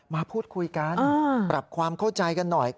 มาพูดคุยกันปรับความเข้าใจกันหน่อย